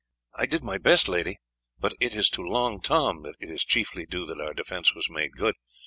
"I did my best, lady; but it is to Long Tom that it is chiefly due that our defence was made good.